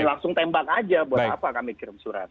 langsung tembak aja buat apa kami kirim surat